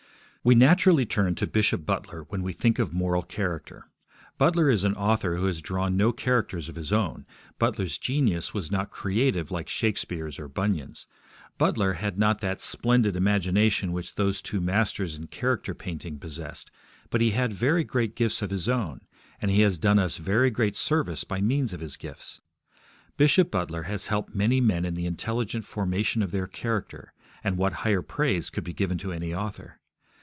We naturally turn to Bishop Butler when we think of moral character. Butler is an author who has drawn no characters of his own. Butler's genius was not creative like Shakespeare's or Bunyan's. Butler had not that splendid imagination which those two masters in character painting possessed, but he had very great gifts of his own, and he has done us very great service by means of his gifts. Bishop Butler has helped many men in the intelligent formation of their character, and what higher praise could be given to any author?